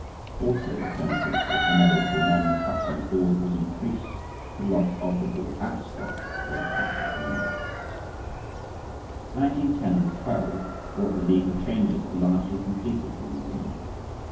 Also the penalty for ineligible men touching the ball was increased to loss of the ball at spot where the pass was made (Football Guide for 1908, pp. 181 and 214). Nineteen ten and twelve brought the legal changes that largely completed the new game.